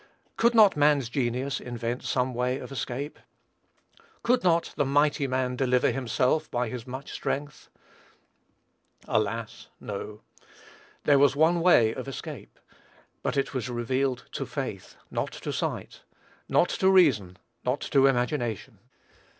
Could not man's genius invent some way of escape? Could not "the mighty man deliver himself by his much strength?" Alas, no: there was one way of escape, but it was revealed to faith, not to sight, not to reason, not to imagination.